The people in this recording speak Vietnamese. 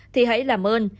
thì hãy làm ơn